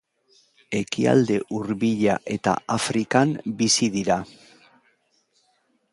Ekialde Hurbila eta Afrikan bizi dira.